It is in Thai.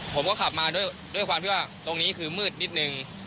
ผมก็ขับมาด้วยความที่ว่าตรงนี้คือมืดนิดนึง